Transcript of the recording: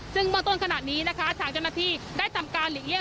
ซึ่งเมื่อต้นขนาดนี้จังหนาธิได้ทำการหลีกเลี่ยง